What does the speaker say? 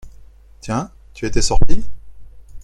Tiens… tu étais sorti ?…